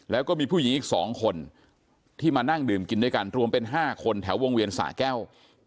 แล้วก็มีผู้หญิงอีก๒คนที่มานั่งดื่มกินด้วยกันรวมเป็น๕คนแถววงเวียนสะแก้ว